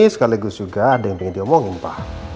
sekaligus ada yang ingin diomongin pa